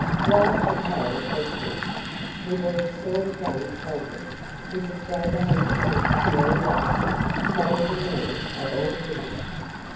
Why had Harold Beecham (who was a sort of young sultan who could throw the handkerchief where he liked) chosen me of all women?